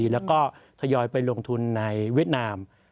แล้วก็ทยอยไปลงทุนในเวียดนาม